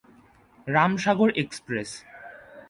Ram Sagar express